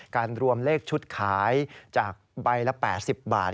การรวมเลขชุดขายจากใบละ๘๐บาท